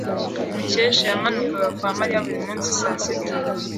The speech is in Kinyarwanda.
Mukesha yamanukaga kwa Mariya buri munsi saa sita.